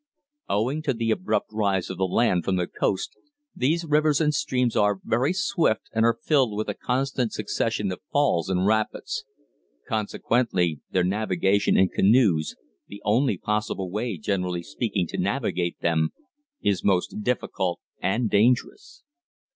Owing to the abrupt rise of the land from the coast these rivers and streams are very swift and are filled with a constant succession of falls and rapids; consequently, their navigation in canoes the only possible way, generally speaking, to navigate them is most difficult and dangerous.